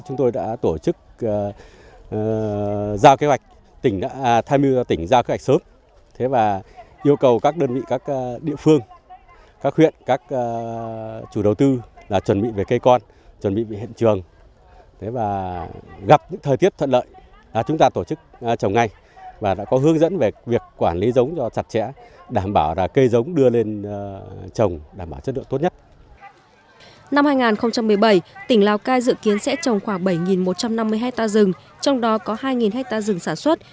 năm hai nghìn một mươi bảy tỉnh lào cai dự kiến sẽ trồng khoảng bảy một trăm năm mươi hectare rừng trong đó có hai hectare rừng sản xuất